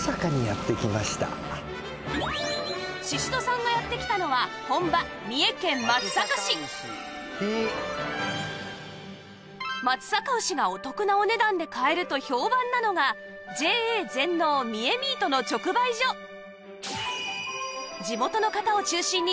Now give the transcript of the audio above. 宍戸さんがやって来たのは本場三重県松阪市松阪牛がお得なお値段で買えると評判なのが ＪＡ 全農みえミートの直売所ああ！